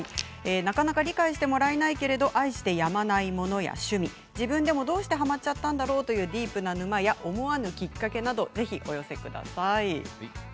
なかなか理解してもらえないけど愛してやまないものや趣味自分でも、どうしてハマっちゃったんだろうというディープな沼や、思わぬきっかけなどをお寄せください。